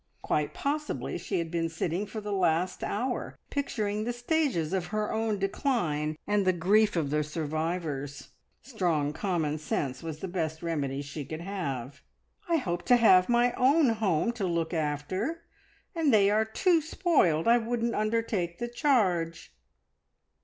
Quite possibly she had been sitting for the last hour picturing the stages of her own decline and the grief of the survivors. Strong common sense was the best remedy she could have. "I hope to have my own home to look after. And they are too spoiled. I wouldn't undertake the charge."